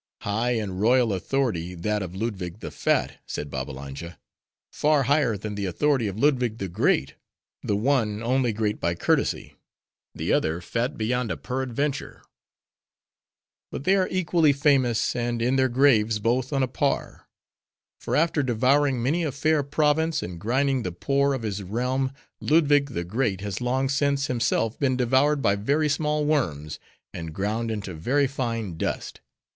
'" "High and royal authority, that of Ludwig the Fat," said Babbalanja, "far higher than the authority of Ludwig the Great:—the one, only great by courtesy; the other, fat beyond a peradventure. But they are equally famous; and in their graves, both on a par. For after devouring many a fair province, and grinding the poor of his realm, Ludwig the Great has long since, himself, been devoured by very small worms, and ground into very fine dust.